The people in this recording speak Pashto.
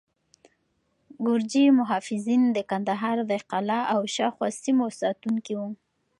ګرجي محافظین د کندهار د قلعه او شاوخوا سیمو ساتونکي وو.